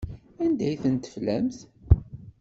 Anda ay ten-teflamt?